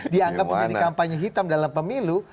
dianggap menjadi kampanye hitam dalam pemilu